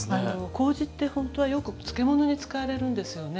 麹ってほんとはよく漬物に使われるんですよね。